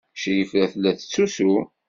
Crifa tella tettusu.